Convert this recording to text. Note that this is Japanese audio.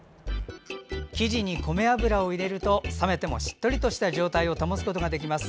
生地に米油を入れると冷めてもしっとりした状態を保つことができます。